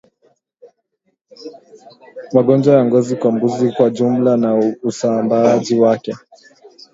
Magonjwa ya ngozi kwa mbuzi kwa jumla na usambaaji wake